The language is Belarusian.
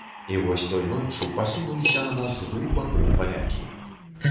І вось той ноччу пасунуліся на нас з двух бакоў палякі.